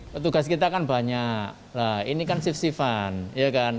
petugas kita kan banyak ini shift shiftan